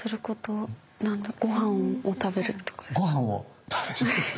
ご飯を食べるんですか？